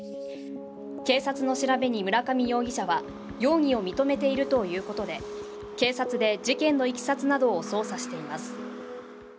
警察の調べに村上容疑者は容疑を認めているということで、警察で事件のいきさつなどを捜査しています。